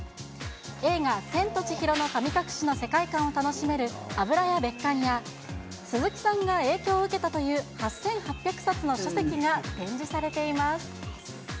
映画、千と千尋の神隠しの世界観を楽しめる油屋別館や、鈴木さんが影響を受けたという８８００冊の書籍が展示されています。